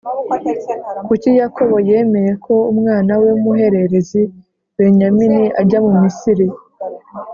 Kuki Yakobo yemeye ko umwana we wumuhererezi Benyamini ajya mu Misiri